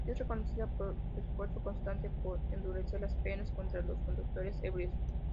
Es reconocida por su esfuerzo constante por endurecer las penas contra los conductores ebrios.